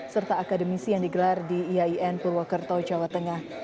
serta akademisi yang digelar di iain purwokerto jawa tengah